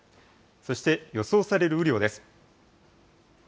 そして予想される雨量です。